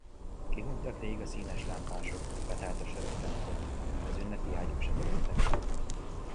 Kihunytak rég a színes lámpások, petárda se röppent több, az ünnepi ágyúk se dörögtek.